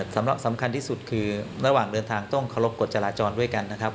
สำคัญที่สุดคือระหว่างเดินทางต้องเคารพกฎจราจรด้วยกันนะครับ